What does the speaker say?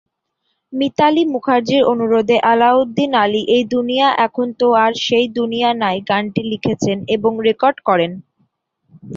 মিতালী মুখার্জির অনুরোধে আলাউদ্দিন আলী "এই দুনিয়া এখন তো আর সেই দুনিয়া নাই" গানটি লিখেন এবং রেকর্ড করেন।